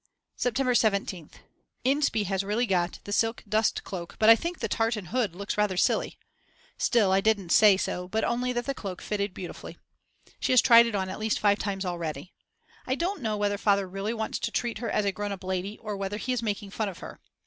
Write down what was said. September 17th. Inspee has really got the silk dustcloak but I think the tartan hood looks rather silly. Still, I didn't say so, but only that the cloak fitted beautifully. She has tried it on at least five times already. I don't know whether Father really wants to treat her as a grown up lady or whether he is making fun of her.